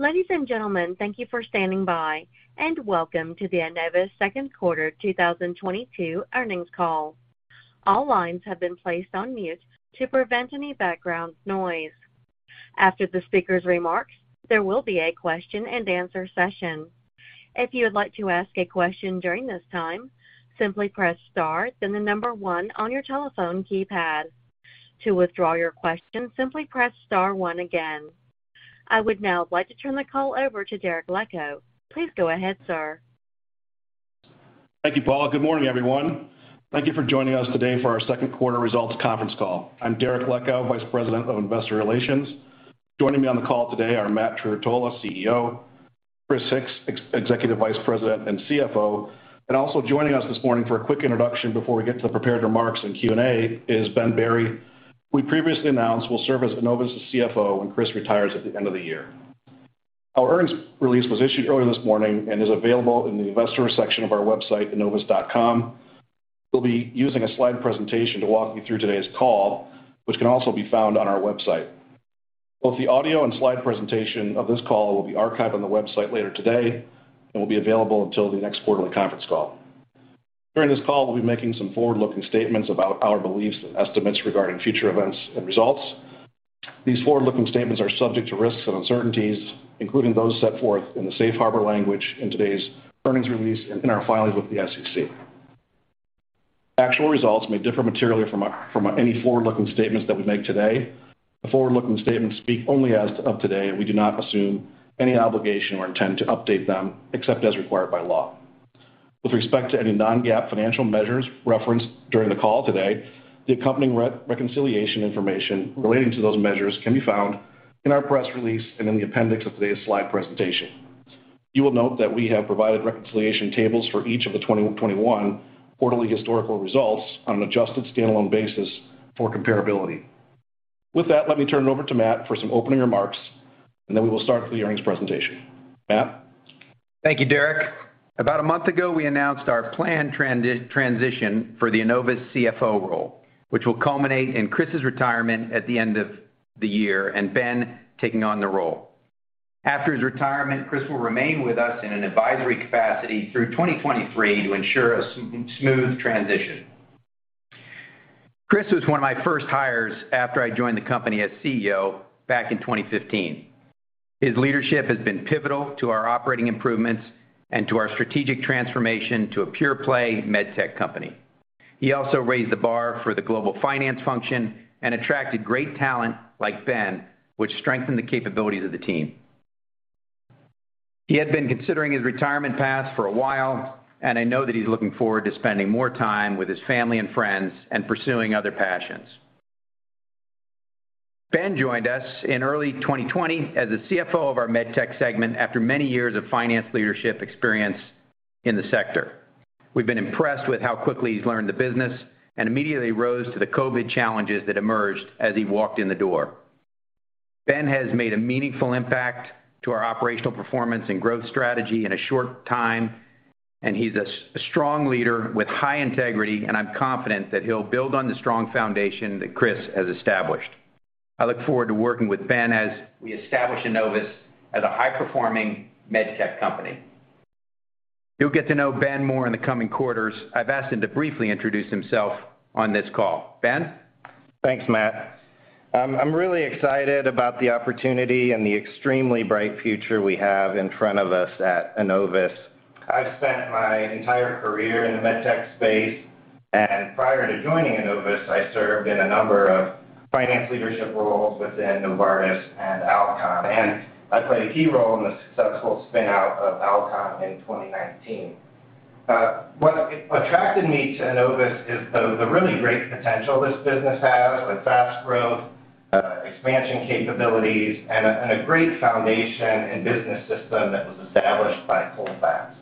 Ladies and gentlemen, thank you for standing by, and welcome to the Enovis second quarter 2022 earnings call. All lines have been placed on mute to prevent any background noise. After the speaker's remarks, there will be a question-and-answer session. If you would like to ask a question during this time, simply press star then the number one on your telephone keypad. To withdraw your question, simply press star one again. I would now like to turn the call over to Derek Leck. Please go ahead, sir. Thank you, Paula. Good morning, everyone. Thank you for joining us today for our second quarter results conference call. I'm Derek Leck, Vice President of Investor Relations. Joining me on the call today are Matt Trerotola, CEO, Chris Hix, Executive Vice President and CFO. Also joining us this morning for a quick introduction before we get to the prepared remarks in Q&A is Ben Berry, who we previously announced will serve as Enovis' CFO when Chris retires at the end of the year. Our earnings release was issued earlier this morning and is available in the investor section of our website, enovis.com. We'll be using a slide presentation to walk you through today's call, which can also be found on our website. Both the audio and slide presentation of this call will be archived on the website later today and will be available until the next quarterly conference call. During this call, we'll be making some forward-looking statements about our beliefs and estimates regarding future events and results. These forward-looking statements are subject to risks and uncertainties, including those set forth in the safe harbor language in today's earnings release and in our filings with the SEC. Actual results may differ materially from any forward-looking statements that we make today. The forward-looking statements speak only as of today, and we do not assume any obligation or intend to update them except as required by law. With respect to any non-GAAP financial measures referenced during the call today, the accompanying reconciliation information relating to those measures can be found in our press release and in the appendix of today's slide presentation. You will note that we have provided reconciliation tables for each of the 2021 quarterly historical results on an adjusted standalone basis for comparability. With that, let me turn it over to Matt for some opening remarks, and then we will start with the earnings presentation. Matt? Thank you, Derek. About a month ago, we announced our planned transition for the Enovis CFO role, which will culminate in Chris's retirement at the end of the year and Ben taking on the role. After his retirement, Chris will remain with us in an advisory capacity through 2023 to ensure a smooth transition. Chris was one of my first hires after I joined the company as CEO back in 2015. His leadership has been pivotal to our operating improvements and to our strategic transformation to a pure-play med tech company. He also raised the bar for the global finance function and attracted great talent like Ben, which strengthened the capabilities of the team. He had been considering his retirement path for a while, and I know that he's looking forward to spending more time with his family and friends and pursuing other passions. Ben joined us in early 2020 as the CFO of our Med Tech segment after many years of finance leadership experience in the sector. We've been impressed with how quickly he's learned the business and immediately rose to the COVID challenges that emerged as he walked in the door. Ben has made a meaningful impact to our operational performance and growth strategy in a short time, and he's a strong leader with high integrity, and I'm confident that he'll build on the strong foundation that Chris has established. I look forward to working with Ben as we establish Enovis as a high-performing med tech company. You'll get to know Ben more in the coming quarters. I've asked him to briefly introduce himself on this call. Ben? Thanks, Matt. I'm really excited about the opportunity and the extremely bright future we have in front of us at Enovis. I've spent my entire career in the med tech space, and prior to joining Enovis, I served in a number of finance leadership roles within Novartis and Alcon, and I played a key role in the successful spin-out of Alcon in 2019. What attracted me to Enovis is the really great potential this business has with fast growth, expansion capabilities, and a great foundation and business system that was established by Colfax.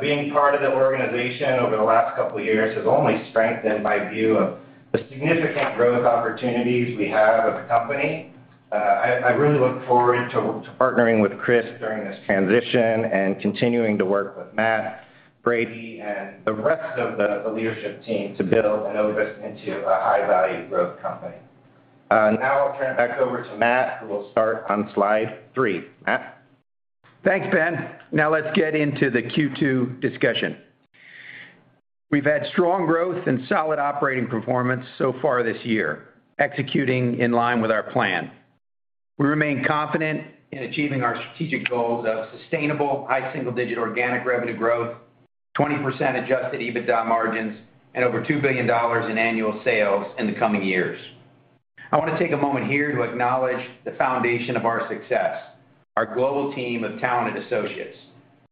Being part of the organization over the last couple of years has only strengthened my view of the significant growth opportunities we have as a company. I really look forward to partnering with Chris during this transition and continuing to work with Matt, Brady, and the rest of the leadership team to build Enovis into a high-value growth company. Now I'll turn it back over to Matt, who will start on slide three. Matt? Thanks, Ben. Now let's get into the Q2 discussion. We've had strong growth and solid operating performance so far this year, executing in line with our plan. We remain confident in achieving our strategic goals of sustainable high single-digit organic revenue growth, 20% Adjusted EBITDA margins, and over $2 billion in annual sales in the coming years. I want to take a moment here to acknowledge the foundation of our success, our global team of talented associates.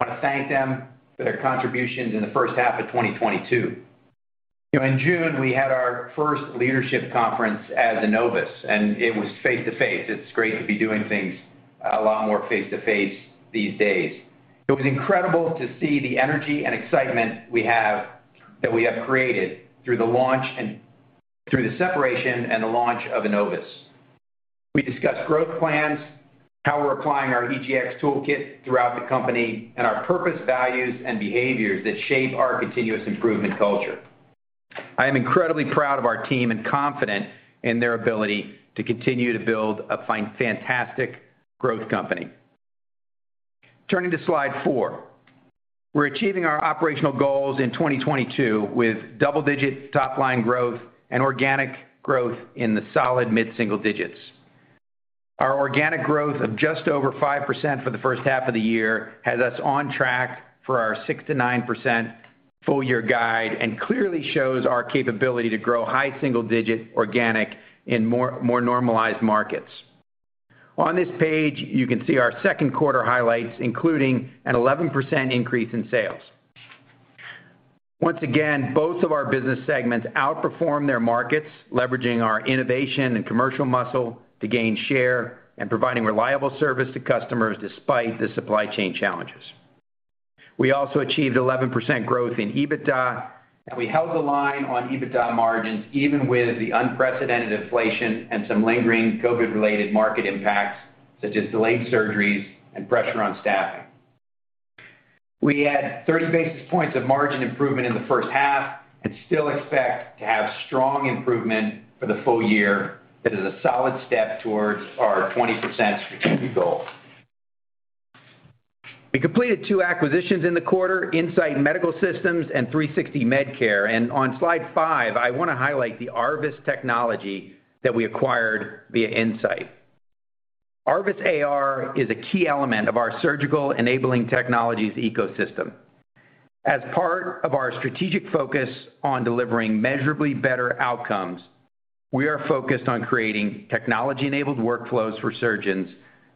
I want to thank them for their contributions in the first half of 2022. In June, we had our first leadership conference as Enovis, and it was face-to-face. It's great to be doing things a lot more face-to-face these days. It was incredible to see the energy and excitement that we have created through the separation and the launch of Enovis. We discussed growth plans, how we're applying our EGX toolkit throughout the company, and our purpose, values, and behaviors that shape our continuous improvement culture. I am incredibly proud of our team and confident in their ability to continue to build a fantastic growth company. Turning to slide four. We're achieving our operational goals in 2022 with double-digit top-line growth and organic growth in the solid mid-single digits. Our organic growth of just over 5% for the first half of the year has us on track for our 6%-9% full-year guide and clearly shows our capability to grow high single-digit organic in more normalized markets. On this page, you can see our second quarter highlights, including an 11% increase in sales. Once again, both of our business segments outperformed their markets, leveraging our innovation and commercial muscle to gain share and providing reliable service to customers despite the supply chain challenges. We also achieved 11% growth in EBITDA, and we held the line on EBITDA margins even with the unprecedented inflation and some lingering COVID-related market impacts, such as delayed surgeries and pressure on staffing. We had 30 basis points of margin improvement in the first half and still expect to have strong improvement for the full year that is a solid step towards our 20% strategic goal. We completed two acquisitions in the quarter, Insight Medical Systems and 360 Med Care. On slide five, I wanna highlight the ARVIS technology that we acquired via Insight. ARVIS is a key element of our surgical enabling technologies ecosystem. As part of our strategic focus on delivering measurably better outcomes, we are focused on creating technology-enabled workflows for surgeons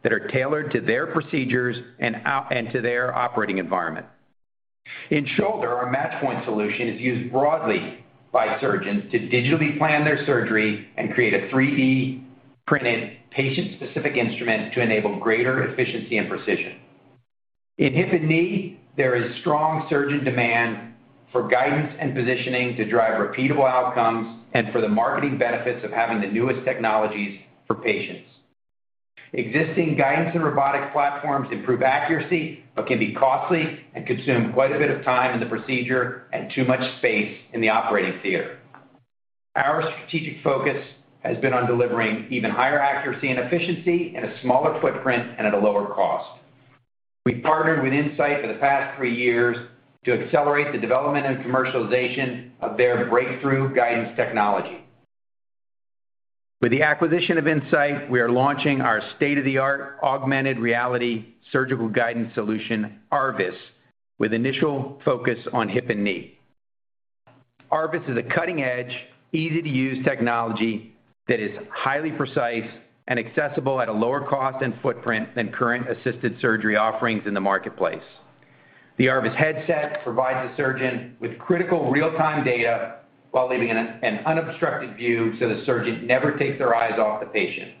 that are tailored to their procedures and to their operating environment. In shoulder, our MatchPoint Solution is used broadly by surgeons to digitally plan their surgery and create a 3D-printed patient-specific instrument to enable greater efficiency and precision. In hip and knee, there is strong surgeon demand for guidance and positioning to drive repeatable outcomes and for the marketing benefits of having the newest technologies for patients. Existing guidance and robotic platforms improve accuracy, but can be costly and consume quite a bit of time in the procedure and too much space in the operating theater. Our strategic focus has been on delivering even higher accuracy and efficiency in a smaller footprint and at a lower cost. We partnered with Insight for the past three years to accelerate the development and commercialization of their breakthrough guidance technology. With the acquisition of Insight, we are launching our state-of-the-art augmented reality surgical guidance solution, ARVIS, with initial focus on hip and knee. ARVIS is a cutting-edge, easy-to-use technology that is highly precise and accessible at a lower cost and footprint than current assisted surgery offerings in the marketplace. The ARVIS headset provides the surgeon with critical real-time data while leaving an unobstructed view so the surgeon never takes their eyes off the patient.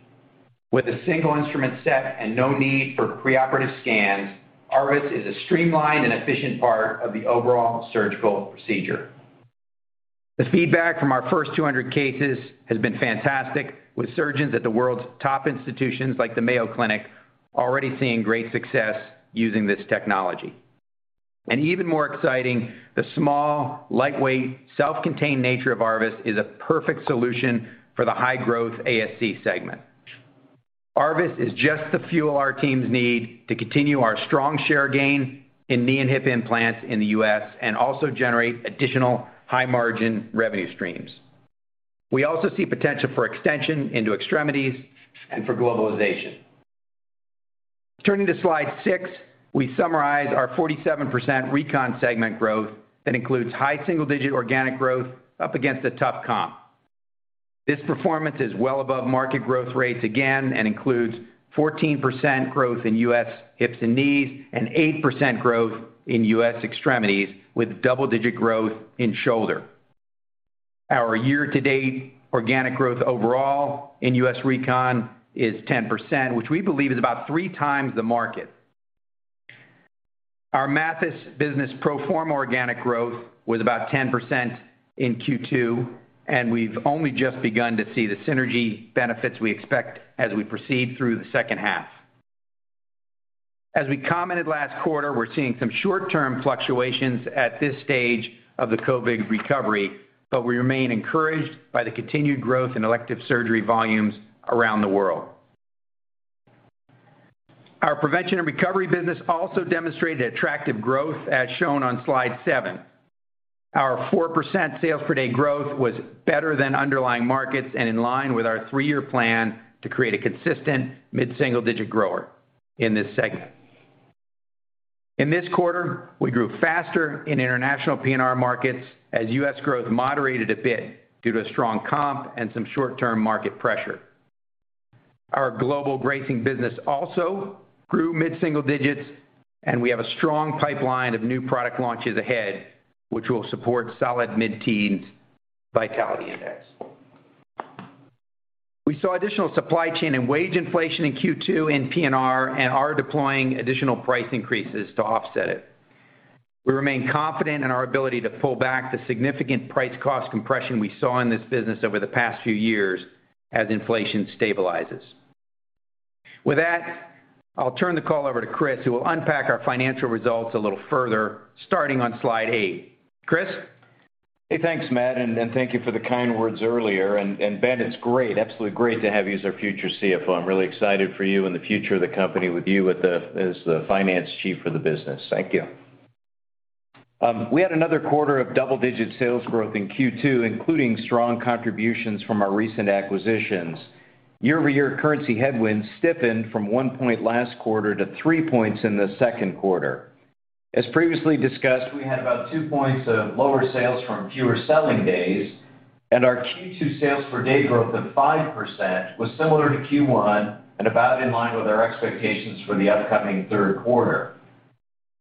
With a single instrument set and no need for preoperative scans, ARVIS is a streamlined and efficient part of the overall surgical procedure. The feedback from our first 200 cases has been fantastic, with surgeons at the world's top institutions, like the Mayo Clinic, already seeing great success using this technology. Even more exciting, the small, lightweight, self-contained nature of ARVIS is a perfect solution for the high-growth ASC segment. ARVIS is just the fuel our teams need to continue our strong share gain in knee and hip implants in the U.S., and also generate additional high-margin revenue streams. We also see potential for extension into extremities and for globalization. Turning to slide six, we summarize our 47% Recon segment growth that includes high single-digit organic growth up against a tough comp. This performance is well above market growth rates again and includes 14% growth in U.S., hips and knees and 8% growth in U.S., extremities, with double-digit growth in shoulder. Our year-to-date organic growth overall in U.S. Recon is 10%, which we believe is about three times the market. Our Mathys business pro forma organic growth was about 10% in Q2, and we've only just begun to see the synergy benefits we expect as we proceed through the second half. As we commented last quarter, we're seeing some short-term fluctuations at this stage of the COVID recovery, but we remain encouraged by the continued growth in elective surgery volumes around the world. Our Prevention and Recovery business also demonstrated attractive growth, as shown on slide seven Our 4% sales per day growth was better than underlying markets and in line with our three-year plan to create a consistent mid-single-digit grower in this segment. In this quarter, we grew faster in international P&R markets as U.S., growth moderated a bit due to a strong comp and some short-term market pressure. Our global bracing business also grew mid-single digits, and we have a strong pipeline of new product launches ahead, which will support solid mid-teens Vitality Index. We saw additional supply chain and wage inflation in Q2 in P&R and are deploying additional price increases to offset it. We remain confident in our ability to pull back the significant price-cost compression we saw in this business over the past few years as inflation stabilizes. With that, I'll turn the call over to Chris, who will unpack our financial results a little further, starting on slide eight. Chris? Hey, thanks, Matt, and thank you for the kind words earlier. Ben, it's great, absolutely great to have you as our future CFO. I'm really excited for you and the future of the company as the finance chief for the business. Thank you. We had another quarter of double-digit sales growth in Q2, including strong contributions from our recent acquisitions. Year-over-year currency headwinds stiffened from 1 point last quarter to 3 points in the second quarter. As previously discussed, we had about 2 points of lower sales from fewer selling days, and our Q2 sales per day growth of 5% was similar to Q1 and about in line with our expectations for the upcoming third quarter.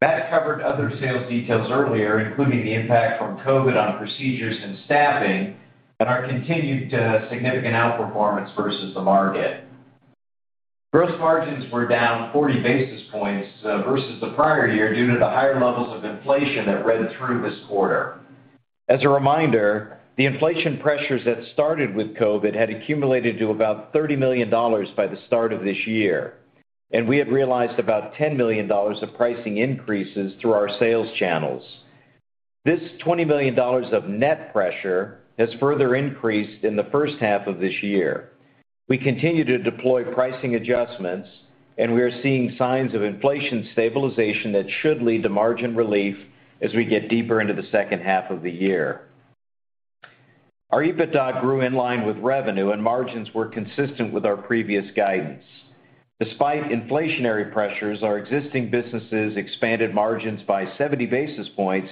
Matt covered other sales details earlier, including the impact from COVID on procedures and staffing and our continued significant outperformance versus the market. Gross margins were down 40 basis points versus the prior year due to the higher levels of inflation that ran through this quarter. As a reminder, the inflation pressures that started with COVID had accumulated to about $30 million by the start of this year, and we had realized about $10 million of pricing increases through our sales channels. This $20 million of net pressure has further increased in the first half of this year. We continue to deploy pricing adjustments, and we are seeing signs of inflation stabilization that should lead to margin relief as we get deeper into the second half of the year. Our EBITDA grew in line with revenue and margins were consistent with our previous guidance. Despite inflationary pressures, our existing businesses expanded margins by 70 basis points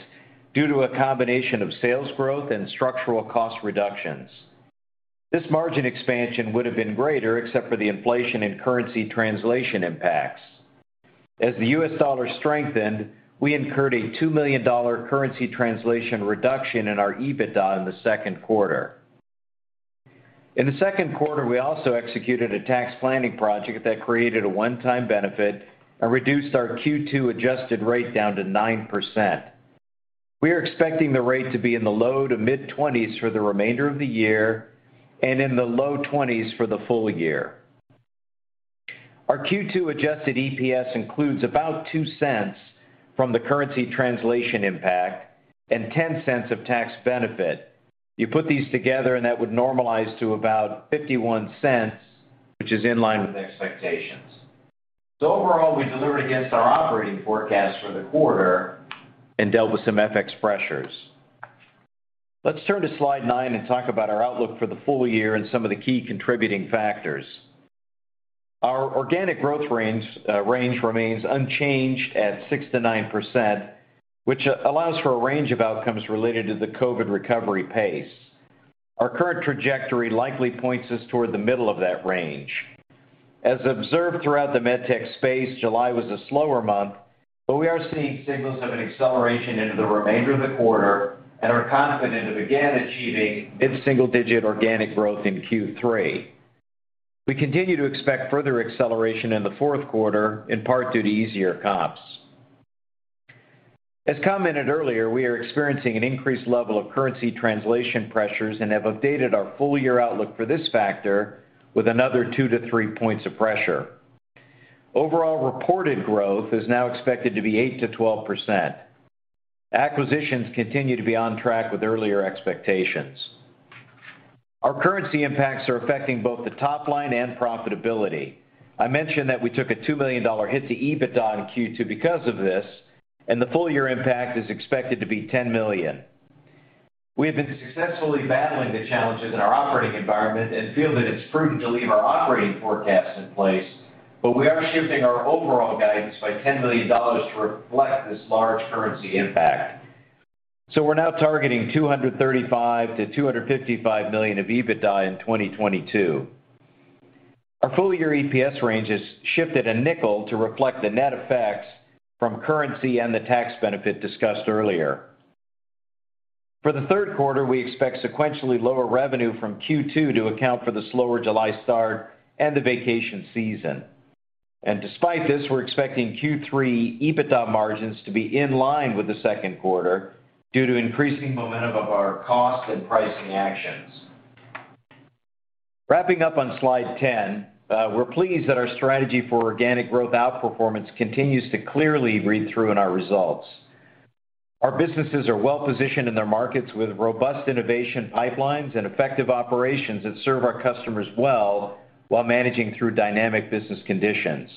due to a combination of sales growth and structural cost reductions. This margin expansion would have been greater except for the inflation and currency translation impacts. As the U.S., dollar strengthened, we incurred a $2 million currency translation reduction in our EBITDA in the second quarter. In the second quarter, we also executed a tax planning project that created a one-time benefit and reduced our Q2 adjusted rate down to 9%. We are expecting the rate to be in the low- to mid-20s% for the remainder of the year and in the low 20s% for the full year. Our Q2 adjusted EPS includes about $0.02 from the currency translation impact and $0.10 of tax benefit. You put these together and that would normalize to about $0.51, which is in line with expectations. Overall, we delivered against our operating forecast for the quarter and dealt with some FX pressures. Let's turn to slide nine and talk about our outlook for the full year and some of the key contributing factors. Our organic growth range remains unchanged at 6%-9%, which allows for a range of outcomes related to the COVID recovery pace. Our current trajectory likely points us toward the middle of that range. As observed throughout the med tech space, July was a slower month, but we are seeing signals of an acceleration into the remainder of the quarter and are confident of again achieving mid-single digit organic growth in Q3. We continue to expect further acceleration in the fourth quarter, in part due to easier comps. As commented earlier, we are experiencing an increased level of currency translation pressures and have updated our full year outlook for this factor with another 2-3 points of pressure. Overall reported growth is now expected to be 8%-12%. Acquisitions continue to be on track with earlier expectations. Our currency impacts are affecting both the top line and profitability. I mentioned that we took a $2 million hit to EBITDA in Q2 because of this, and the full year impact is expected to be $10 million. We have been successfully battling the challenges in our operating environment and feel that it's prudent to leave our operating forecast in place, but we are shifting our overall guidance by $10 million to reflect this large currency impact. We're now targeting $235 million-$255 million of EBITDA in 2022. Our full year EPS range has shifted $0.05 to reflect the net effects from currency and the tax benefit discussed earlier. For the third quarter, we expect sequentially lower revenue from Q2 to account for the slower July start and the vacation season. Despite this, we're expecting Q3 EBITDA margins to be in line with the second quarter due to increasing momentum of our cost and pricing actions. Wrapping up on slide 10, we're pleased that our strategy for organic growth outperformance continues to clearly read through in our results. Our businesses are well positioned in their markets with robust innovation pipelines and effective operations that serve our customers well while managing through dynamic business conditions.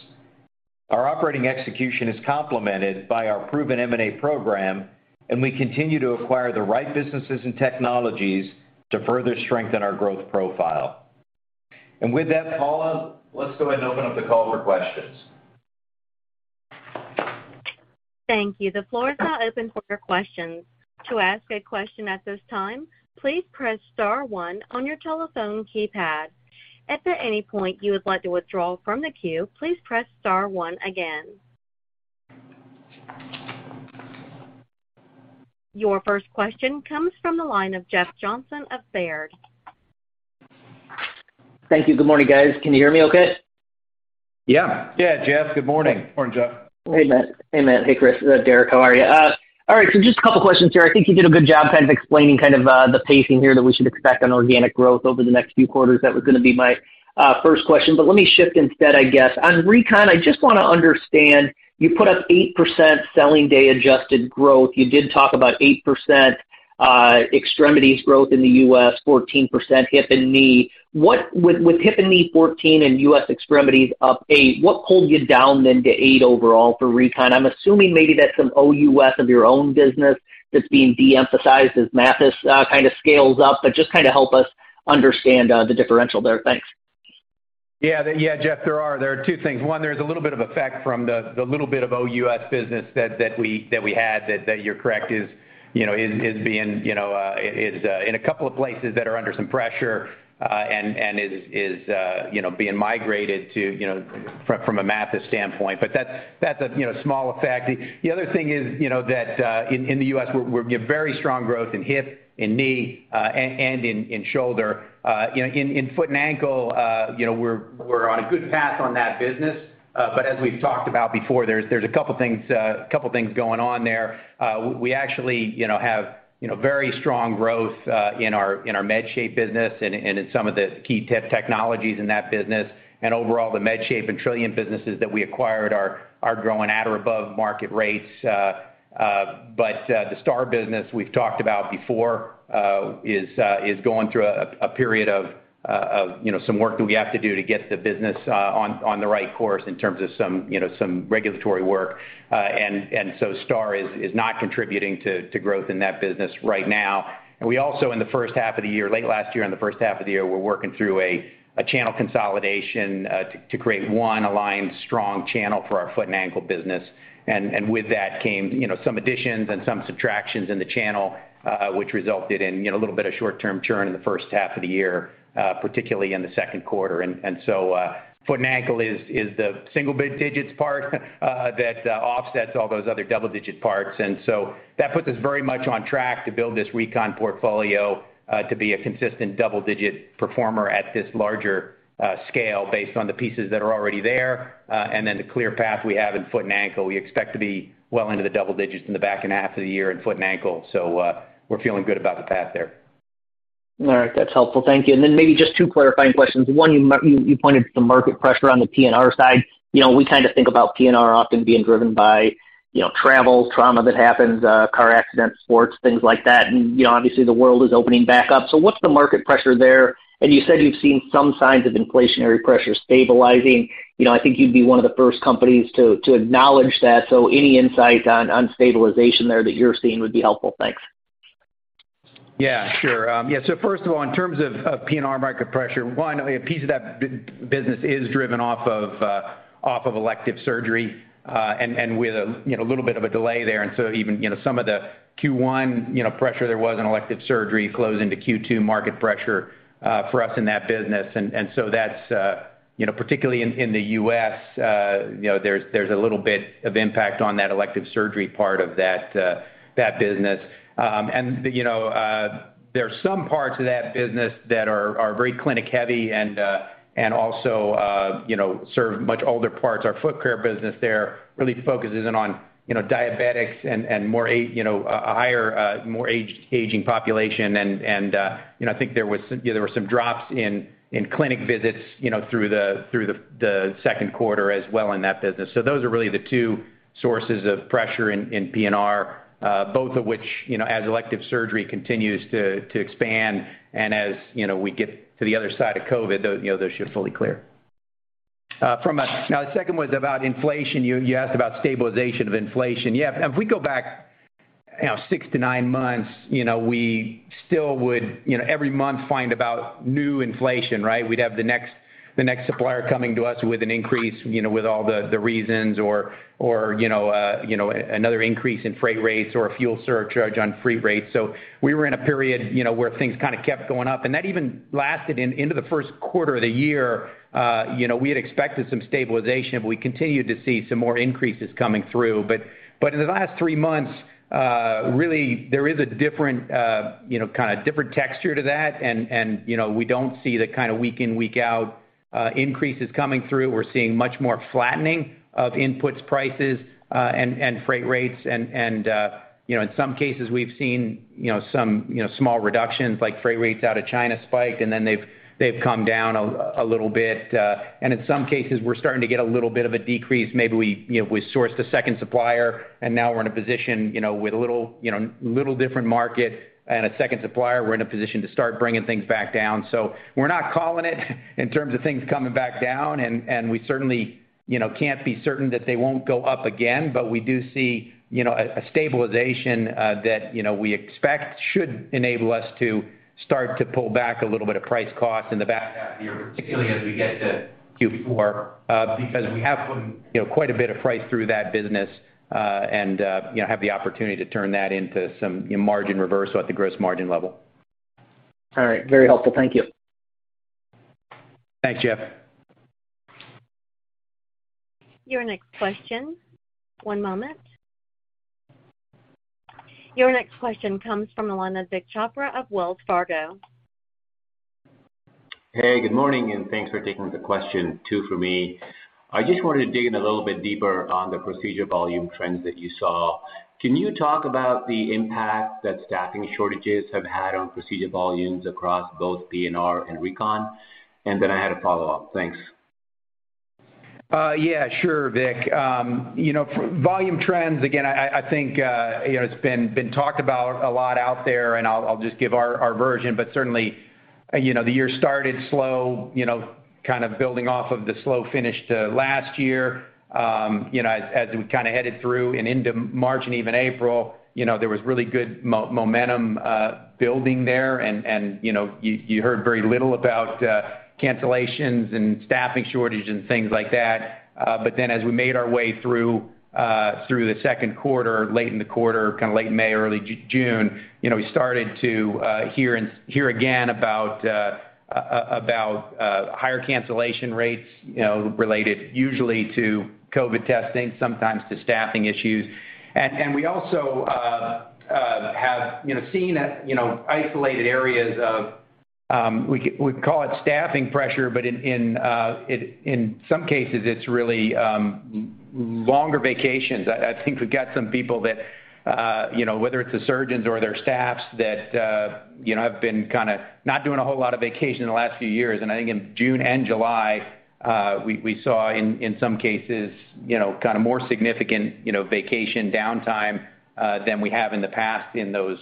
Our operating execution is complemented by our proven M&A program, and we continue to acquire the right businesses and technologies to further strengthen our growth profile. With that, Paula, let's go ahead and open up the call for questions. Thank you. The floor is now open for your questions. To ask a question at this time, please press star one on your telephone keypad. If at any point you would like to withdraw from the queue, please press star one again. Your first question comes from the line of Jeff Johnson of Baird. Thank you. Good morning, guys. Can you hear me okay? Yeah. Yeah, Jeff, good morning. Morning, Jeff. Hey, Matt. Hey, Chris. Derek, how are you? All right, just a couple questions here. I think you did a good job kind of explaining the pacing here that we should expect on organic growth over the next few quarters. That was gonna be my first question. Let me shift instead, I guess. On Recon, I just wanna understand, you put up 8% selling day adjusted growth. You did talk about 8% extremities growth in the U.S., 14% hip and knee. With hip and knee 14% and U.S., extremities up 8%, what pulled you down then to 8% overall for Recon? I'm assuming maybe that's some OUS of your own business that's being de-emphasized as Mathys kind of scales up. Just kinda help us understand the differential there. Thanks. Yeah, Jeff, there are two things. One, there's a little bit of effect from the little bit of OUS business that we had that you're correct is being in a couple of places that are under some pressure and is being migrated from a Mathys standpoint. That's a small effect. The other thing is that in the US we have very strong growth in hip and knee and in shoulder. You know, in foot and ankle, you know, we're on a good path on that business. As we've talked about before, there's a couple things going on there. We actually, you know, have, you know, very strong growth in our MedShape business and in some of the key technologies in that business. Overall, the MedShape and Trilliant businesses that we acquired are growing at or above market rates. But the STAR business we've talked about before is going through a period of, you know, some work that we have to do to get the business on the right course in terms of some, you know, some regulatory work. So STAR is not contributing to growth in that business right now. We also, in the first half of the year, late last year and the first half of the year, were working through a channel consolidation to create one aligned strong channel for our foot and ankle business. With that came, you know, some additions and some subtractions in the channel, which resulted in, you know, a little bit of short-term churn in the first half of the year, particularly in the second quarter. Foot and ankle is the single-digit part that offsets all those other double-digit parts. That puts us very much on track to build this Recon portfolio to be a consistent double-digit performer at this larger scale based on the pieces that are already there. the clear path we have in foot and ankle, we expect to be well into the double digits in the back half of the year in foot and ankle. We're feeling good about the path there. All right. That's helpful. Thank you. Maybe just two clarifying questions. One, you pointed to the market pressure on the P&R side. You know, we kind of think about P&R often being driven by, you know, travel, trauma that happens, car accidents, sports, things like that. You know, obviously the world is opening back up. What's the market pressure there? You said you've seen some signs of inflationary pressure stabilizing. You know, I think you'd be one of the first companies to acknowledge that. Any insight on stabilization there that you're seeing would be helpful. Thanks. Yeah, sure. Yeah, first of all, in terms of P&R market pressure, one, a piece of that business is driven off of elective surgery, and with a you know little bit of a delay there. Even some of the Q1 pressure there was on elective surgery closed into Q2 market pressure for us in that business. That's you know particularly in the U.S., you know there's a little bit of impact on that elective surgery part of that business. You know there are some parts of that business that are very clinic heavy and also you know serve much older parts. Our foot care business there really focuses in on, you know, diabetics and a higher, more aged, aging population. I think there were some drops in clinic visits, you know, through the second quarter as well in that business. Those are really the two sources of pressure in P&R, both of which, you know, as elective surgery continues to expand and as, you know, we get to the other side of COVID, those should fully clear. Now the second was about inflation. You asked about stabilization of inflation. Yeah, if we go back, you know, six to nine months, you know, we still would, you know, every month find about new inflation, right? We'd have the next supplier coming to us with an increase, you know, with all the reasons or, you know, another increase in freight rates or a fuel surcharge on freight rates. We were in a period, you know, where things kinda kept going up, and that even lasted into the first quarter of the year. You know, we had expected some stabilization, but we continued to see some more increases coming through. In the last three months, really there is a different, you know, kind of different texture to that. You know, we don't see the kinda week-in, week-out increases coming through. We're seeing much more flattening of input prices, and freight rates. You know, in some cases we've seen you know some small reductions like freight rates out of China spiked, and then they've come down a little bit. In some cases we're starting to get a little bit of a decrease. Maybe we sourced a second supplier, and now we're in a position you know with a little different market and a second supplier, we're in a position to start bringing things back down. We're not calling it in terms of things coming back down. We certainly you know can't be certain that they won't go up again. We do see, you know, a stabilization that, you know, we expect should enable us to start to pull back a little bit of price cost in the back half of the year, particularly as we get to Q4, because we have put, you know, quite a bit of price through that business, and, you know, have the opportunity to turn that into some margin reversal at the gross margin level. All right. Very helpful. Thank you. Thanks, Jeff. Your next question. One moment. Your next question comes from the line of Vik Chopra of Wells Fargo. Hey, good morning, and thanks for taking the question, two for me. I just wanted to dig in a little bit deeper on the procedure volume trends that you saw. Can you talk about the impact that staffing shortages have had on procedure volumes across both P&R and Recon? I had a follow-up. Thanks. Yeah, sure, Vik. You know, for volume trends, again, I think, you know, it's been talked about a lot out there, and I'll just give our version. Certainly, you know, the year started slow, you know, kind of building off of the slow finish to last year. You know, as we kind of headed through and into March and even April, you know, there was really good momentum building there. You know, you heard very little about cancellations and staffing shortages and things like that. As we made our way through the second quarter, late in the quarter, kind of late May, early June, you know, we started to hear again about higher cancellation rates, you know, related usually to COVID testing, sometimes to staffing issues. We also have, you know, seen, you know, isolated areas of what we call staffing pressure, but in some cases it's really longer vacations. I think we've got some people that, you know, whether it's the surgeons or their staffs that, you know, have been kinda not doing a whole lot of vacation in the last few years. I think in June and July, we saw in some cases, you know, kind of more significant, you know, vacation downtime than we have in the past in those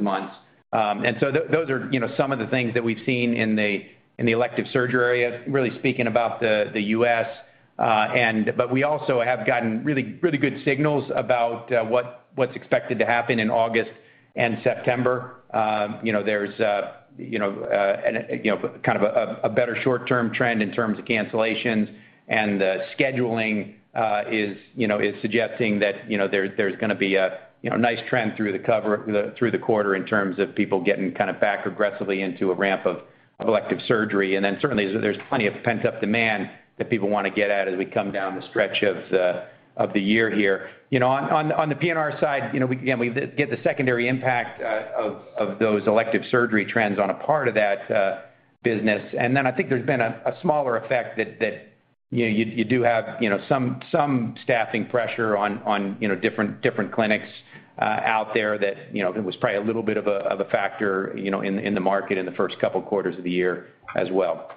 months. Those are, you know, some of the things that we've seen in the elective surgery area, really speaking about the U.S. We also have gotten really good signals about what's expected to happen in August and September. You know, there's, you know, kind of a better short-term trend in terms of cancellations. The scheduling, you know, is suggesting that, you know, there's gonna be a, you know, nice trend through the quarter in terms of people getting kind of back aggressively into a ramp of elective surgery. Then certainly there's plenty of pent-up demand that people wanna get at as we come down the stretch of the year here. You know, on the P&R side, you know, we again get the secondary impact of those elective surgery trends on a part of that business. I think there's been a smaller effect that you know you do have you know some staffing pressure on you know different clinics out there that you know it was probably a little bit of a factor you know in the market in the first couple quarters of the year as well.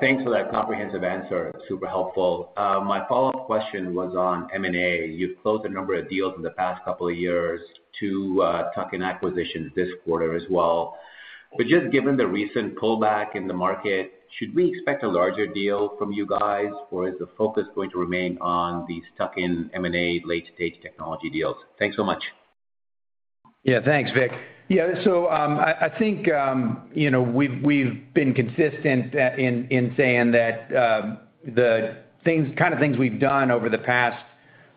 Thanks for that comprehensive answer. Super helpful. My follow-up question was on M&A. You've closed a number of deals in the past couple of years, two tuck-in acquisitions this quarter as well. Just given the recent pullback in the market, should we expect a larger deal from you guys, or is the focus going to remain on these tuck-in M&A late-stage technology deals? Thanks so much. Yeah. Thanks, Vik. Yeah. I think you know we've been consistent in saying that the kind of things we've done over the past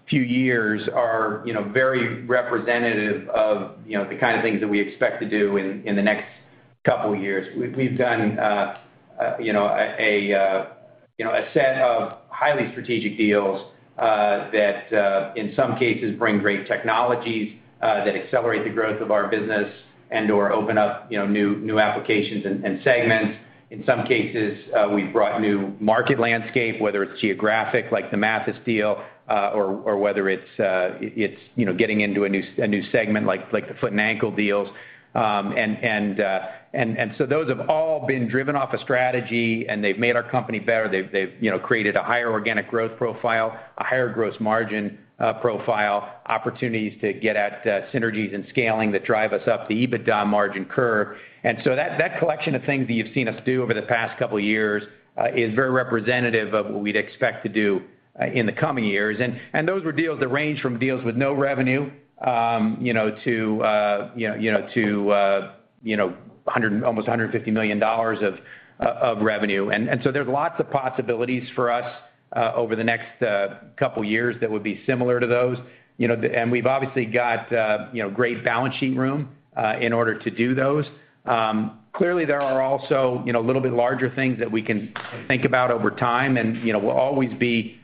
few years are in fact very representative of you know the kind of things that we expect to do in the next couple years. We've done you know a set of highly strategic deals that in some cases bring great technologies that accelerate the growth of our business and/or open up you know new applications and segments. In some cases we've brought new market landscape whether it's geographic like the Mathys deal or whether it's it's you know getting into a new segment like the foot and ankle deals. Those have all been driven off a strategy, and they've made our company better. They've you know, created a higher organic growth profile, a higher gross margin profile, opportunities to get at synergies and scaling that drive us up the EBITDA margin curve. That collection of things that you've seen us do over the past couple years is very representative of what we'd expect to do in the coming years. Those were deals that range from deals with no revenue to almost $150 million of revenue. There's lots of possibilities for us over the next couple years that would be similar to those. We've obviously got, you know, great balance sheet room in order to do those. Clearly, there are also, you know, a little bit larger things that we can think about over time, and, you know, we'll always be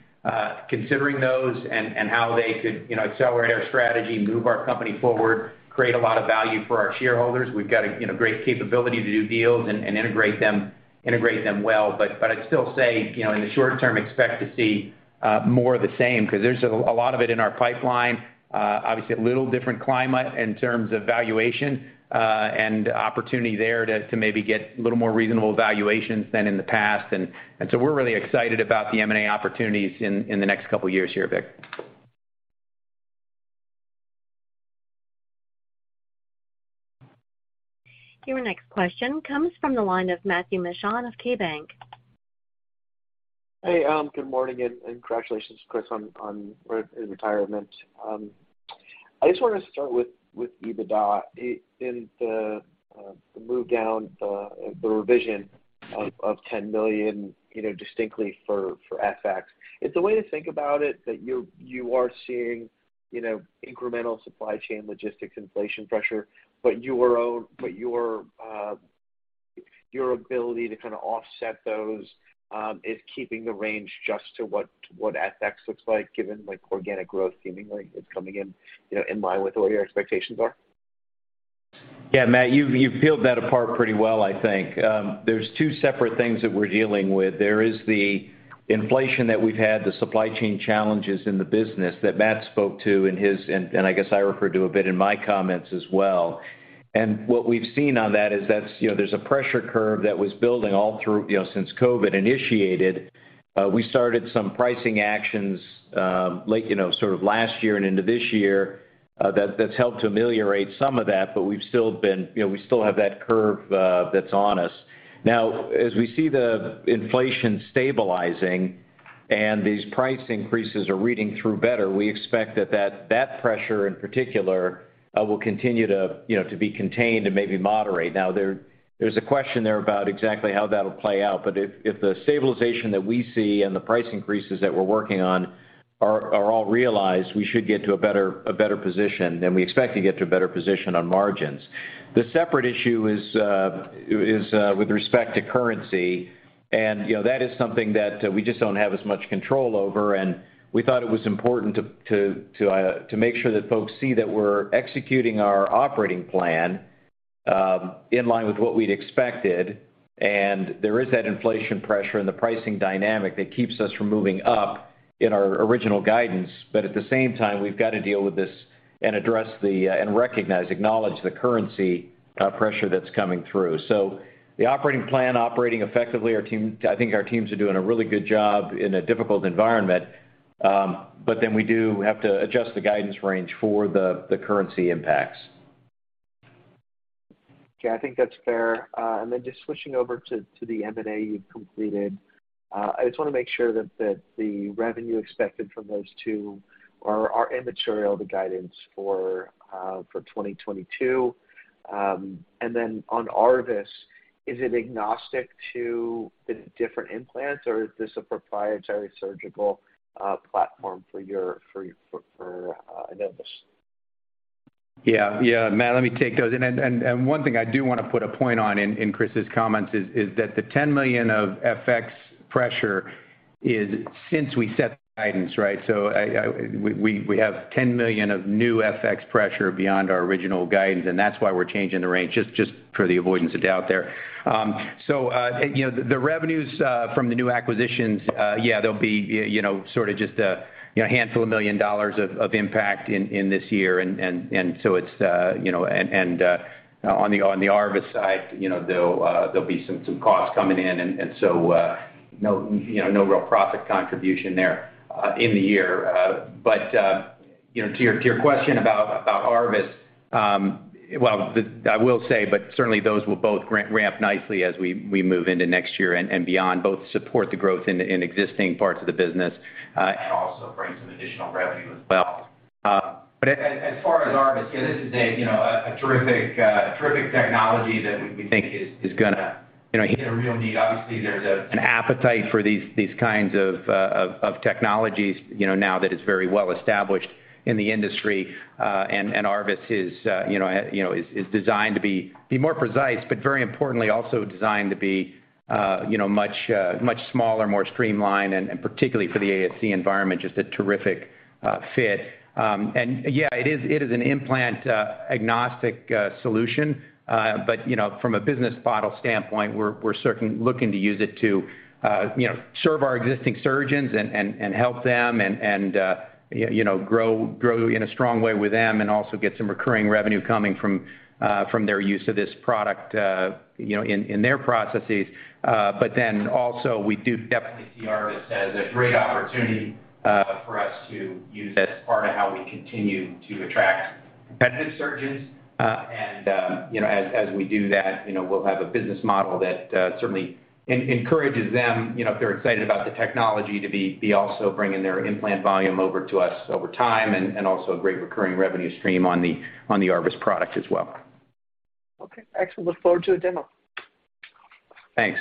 considering those and how they could, you know, accelerate our strategy, move our company forward, create a lot of value for our shareholders. We've got a, you know, great capability to do deals and integrate them well. I'd still say, you know, in the short term, expect to see more of the same, because there's a lot of it in our pipeline. Obviously a little different climate in terms of valuation and opportunity there to maybe get a little more reasonable valuations than in the past. We're really excited about the M&A opportunities in the next couple years here, Vik. Your next question comes from the line of Matthew Mishan of KeyBank. Hey, good morning, and congratulations, Chris, on retirement. I just wanted to start with EBITDA in the move down, the revision of $10 million, you know, distinctly for FX. Is the way to think about it that you're seeing you know, incremental supply chain logistics inflation pressure, but your ability to kind of offset those is keeping the range just to what FX looks like, given like organic growth seemingly is coming in, you know, in line with what your expectations are. Yeah, Matt, you've peeled that apart pretty well, I think. There's two separate things that we're dealing with. There is the inflation that we've had, the supply chain challenges in the business that Matt spoke to in his, and I guess I referred to a bit in my comments as well. What we've seen on that is that, you know, there's a pressure curve that was building all through, you know, since COVID initiated. We started some pricing actions, late, you know, sort of last year and into this year, that's helped to ameliorate some of that. We've still been, you know, we still have that curve, that's on us. Now, as we see the inflation stabilizing and these price increases are reading through better, we expect that pressure in particular will continue to you know be contained and maybe moderate. There's a question there about exactly how that'll play out, but if the stabilization that we see and the price increases that we're working on are all realized, we should get to a better position, and we expect to get to a better position on margins. The separate issue is with respect to currency, and you know that is something that we just don't have as much control over, and we thought it was important to make sure that folks see that we're executing our operating plan in line with what we'd expected. There is that inflation pressure and the pricing dynamic that keeps us from moving up in our original guidance. At the same time, we've got to deal with this and recognize, acknowledge the currency pressure that's coming through. The operating plan, operating effectively, our team, I think our teams are doing a really good job in a difficult environment. Then we do have to adjust the guidance range for the currency impacts. Okay. I think that's fair. Just switching over to the M&A you've completed. I just wanna make sure that the revenue expected from those two are immaterial to guidance for 2022. On ARVIS, is it agnostic to the different implants, or is this a proprietary surgical platform for your Enovis? Yeah. Yeah, Matt, let me take those. One thing I do wanna put a point on in Chris's comments is that the $10 million of FX pressure is since we set the guidance, right? We have $10 million of new FX pressure beyond our original guidance, and that's why we're changing the range, just for the avoidance of doubt there. You know, the revenues from the new acquisitions, yeah, they'll be, you know, sort of just a handful of million dollars of impact in this year. It's, you know, and on the ARVIS side, you know, there'll be some costs coming in, and so, you know, no real profit contribution there in the year. You know, to your question about ARVIS, well, I will say, certainly those will both ramp nicely as we move into next year and beyond, both support the growth in existing parts of the business, and also bring some additional revenue as well. As far as ARVIS, you know, this is a terrific technology that we think is gonna hit a real need. Obviously, there's an appetite for these kinds of technologies, you know, now that it's very well established in the industry. ARVIS is, you know, designed to be more precise, but very importantly, also designed to be, you know, much smaller, more streamlined, and particularly for the ASC environment, just a terrific fit. It is an implant agnostic solution. You know, from a business model standpoint, we're looking to use it to, you know, serve our existing surgeons and help them and, you know, grow in a strong way with them and also get some recurring revenue coming from their use of this product, you know, in their processes. We do definitely see ARVIS as a great opportunity for us to use as part of how we continue to attract competitive surgeons. You know, as we do that, you know, we'll have a business model that certainly encourages them, you know, if they're excited about the technology to be also bringing their implant volume over to us over time and also a great recurring revenue stream on the ARVIS product as well. Okay. Actually look forward to a demo. Thanks.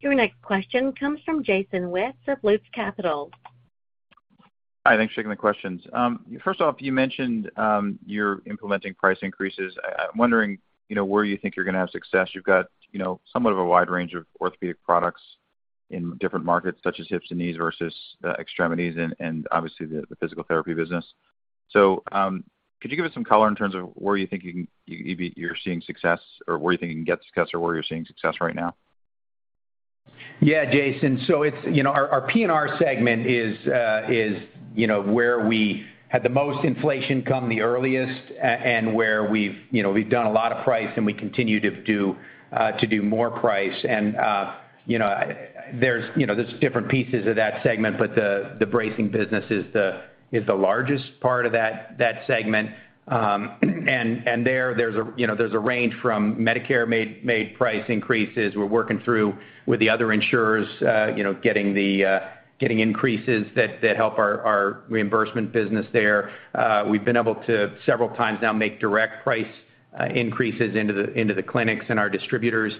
Your next question comes from Jason Wittes of Loop Capital. Hi, thanks for taking the questions. First off, you mentioned you're implementing price increases. I'm wondering, you know, where you think you're gonna have success. You've got, you know, somewhat of a wide range of orthopedic products in different markets, such as hips and knees versus extremities and obviously the physical therapy business. Could you give us some color in terms of where you think you're seeing success, or where you think you can get success or where you're seeing success right now? Yeah, Jason. It's, you know, our P&R segment is, you know, where we had the most inflation come the earliest and where we've done a lot of price, and we continue to do more price. You know, there's different pieces of that segment, but the bracing business is the largest part of that segment. There's a range from Medicare-mandated price increases we're working through with the other insurers, you know, getting increases that help our reimbursement business there. We've been able to several times now make direct price increases into the clinics and our distributors,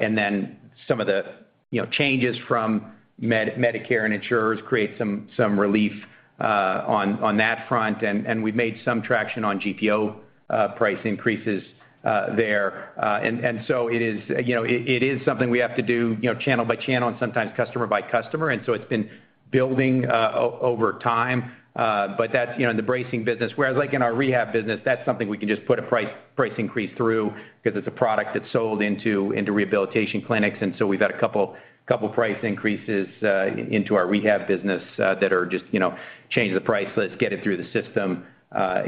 and then some of the, you know, changes from Medicare and insurers create some relief on that front. We've made some traction on GPO price increases there. It is something we have to do, you know, channel by channel and sometimes customer by customer. It's been building over time. That's, you know, in the bracing business. Whereas like in our rehab business, that's something we can just put a price increase through 'cause it's a product that's sold into rehabilitation clinics. We've had a couple price increases into our rehab business that are just, you know, change the price, let's get it through the system,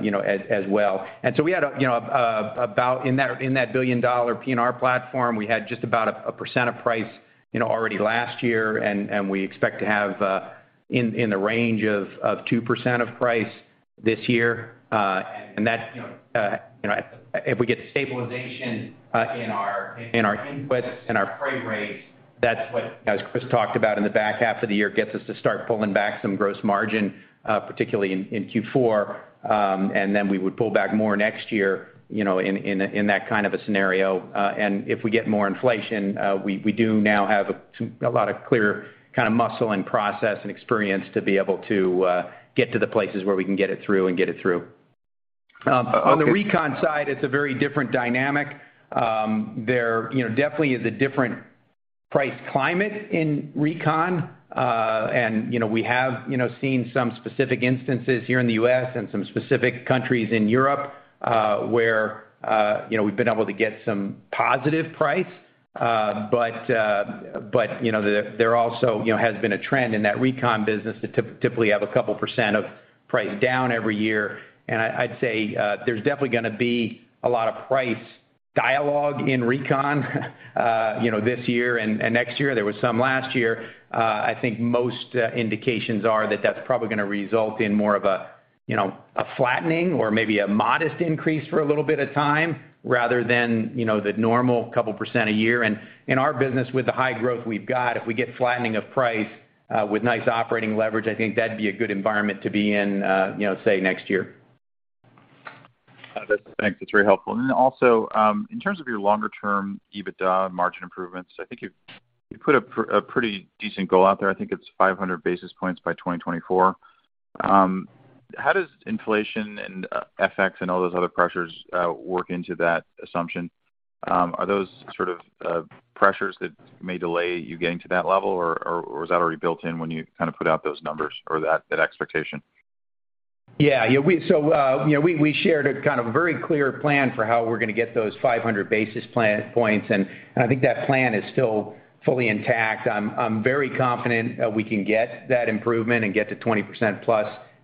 you know, as well. We had about, in that billion-dollar P&R platform, just about 1% of price, you know, already last year, and we expect to have, in the range of 2% of price this year. And that, you know, if we get stabilization in our inputs and our freight rates, that's what, as Chris talked about in the back half of the year, gets us to start pulling back some gross margin, particularly in Q4. We would pull back more next year, you know, in that kind of a scenario. If we get more inflation, we do now have a lot of clear kind of muscle and process and experience to be able to get to the places where we can get it through. On the Recon side, it's a very different dynamic. There, you know, definitely is a different price climate in Recon. You know, we have, you know, seen some specific instances here in the U.S., and some specific countries in Europe, where, you know, we've been able to get some positive price. There also, you know, has been a trend in that Recon business to typically have a couple percent price down every year. I'd say, there's definitely gonna be a lot of price dialogue in Recon, you know, this year and next year. There was some last year. I think most indications are that that's probably gonna result in more of a, you know, a flattening or maybe a modest increase for a little bit of time rather than, you know, the normal couple perceent a year. In our business, with the high growth we've got, if we get flattening of price, with nice operating leverage, I think that'd be a good environment to be in, you know, say, next year. Thanks. That's very helpful. Then also, in terms of your longer term EBITDA margin improvements, I think you've put a pretty decent goal out there. I think it's 500 basis points by 2024. How does inflation and FX and all those other pressures work into that assumption? Are those sort of pressures that may delay you getting to that level or was that already built in when you kind of put out those numbers or that expectation? Yeah. Yeah, we shared a kind of very clear plan for how we're gonna get those 500 basis points, and I think that plan is still fully intact. I'm very confident that we can get that improvement and get to 20%+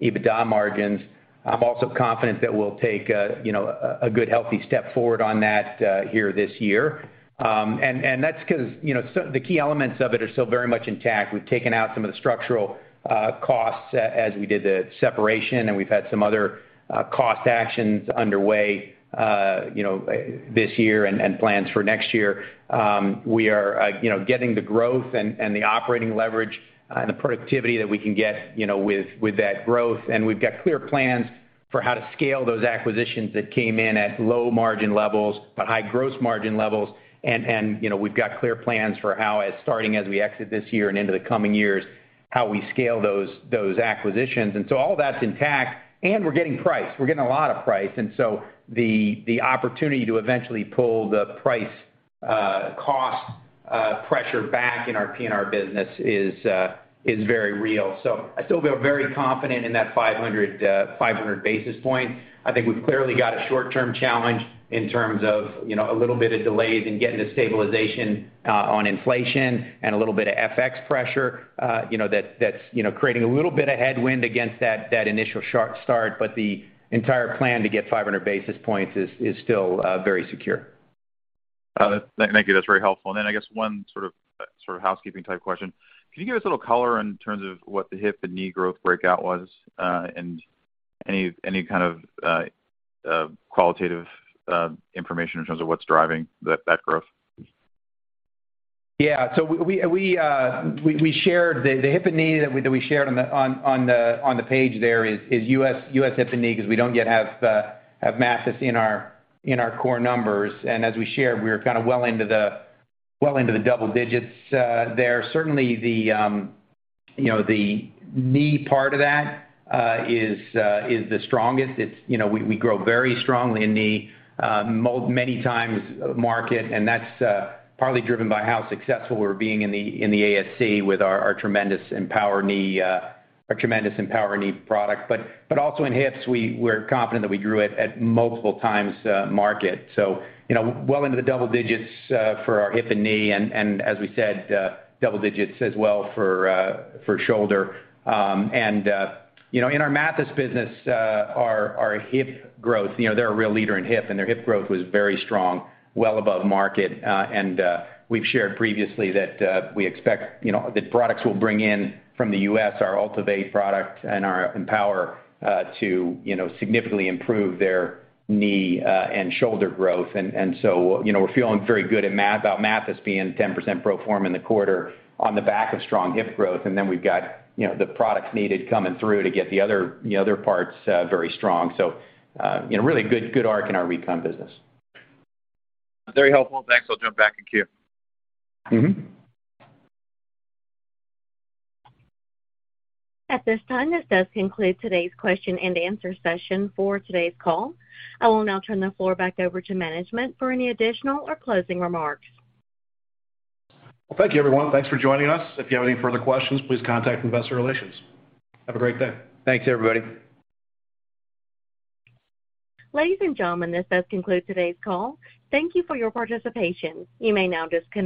EBITDA margins. I'm also confident that we'll take a you know a good healthy step forward on that here this year. That's 'cause you know the key elements of it are still very much intact. We've taken out some of the structural costs as we did the separation, and we've had some other cost actions underway you know this year and plans for next year. We are, you know, getting the growth and the operating leverage and the productivity that we can get, you know, with that growth. We've got clear plans for how to scale those acquisitions that came in at low margin levels, but high gross margin levels. You know, we've got clear plans for how, starting as we exit this year and into the coming years, we scale those acquisitions. All that's intact and we're getting price. We're getting a lot of price. The opportunity to eventually pull the price-cost pressure back in our P&R business is very real. I still feel very confident in that 500 basis point. I think we've clearly got a short-term challenge in terms of, you know, a little bit of delays in getting the stabilization on inflation and a little bit of FX pressure, you know, that's creating a little bit of headwind against that initial sharp start. The entire plan to get 500 basis points is still very secure. Thank you. That's very helpful. Then I guess one sort of housekeeping type question. Can you give us a little color in terms of what the hip and knee growth breakout was, and any kind of qualitative information in terms of what's driving that growth? So we shared the hip and knee that we shared on the page there is U.S., Hip and knee, 'cause we don't yet have Mathys in our core numbers. As we shared, we're kind of well into the double digits there. Certainly you know the knee part of that is the strongest. It's you know we grow very strongly in knee many times market, and that's partly driven by how successful we're being in the ASC with our tremendous EMPOWR Knee product. Also in hips, we're confident that we grew it at multiple times market. You know, well into the double digits for our hip and knee and as we said, double digits as well for shoulder. You know, in our Mathys business, our hip growth, you know, they're a real leader in hip, and their hip growth was very strong, well above market. We've shared previously that we expect, you know, that products will bring in from the U.S., our AltiVate product. And our EMPOWR to, you know, significantly improve their knee and shoulder growth. You know, we're feeling very good about Mathys being 10% pro forma in the quarter on the back of strong hip growth. We've got, you know, the products needed coming through to get the other parts very strong. You know, really good arc in our Recon business. Very helpful. Thanks. I'll jump back in queue. Mm-hmm. At this time, this does conclude today's question and answer session for today's call. I will now turn the floor back over to management for any additional or closing remarks. Well, thank you everyone. Thanks for joining us. If you have any further questions, please contact Investor Relations. Have a great day. Thanks, everybody. Ladies and gentlemen, this does conclude today's call. Thank you for your participation. You may now disconnect.